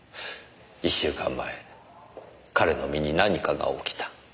１週間前彼の身に何かが起きた。